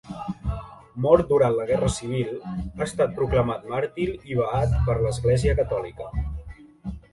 Mort durant la Guerra Civil, ha estat proclamat màrtir i beat per l'Església catòlica.